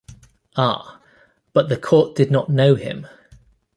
Ah, but the court did not know him.